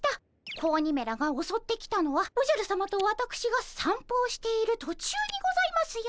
子鬼めらがおそってきたのはおじゃるさまとわたくしがさんぽをしている途中にございますよ。